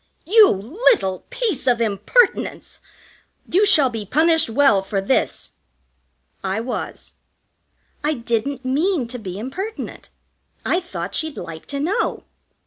"You little piece of impertinence! You shall be punished well for this." I was. I didn't mean to be impertinent. I thought she'd like to know.